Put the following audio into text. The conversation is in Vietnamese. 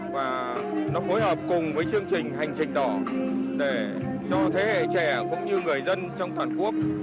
và nó phối hợp cùng với chương trình hành trình đỏ để cho thế hệ trẻ cũng như người dân trong toàn quốc